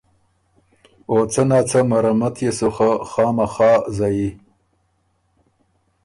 او څه نا څه مرمت يې سو خه خامخا زَيي۔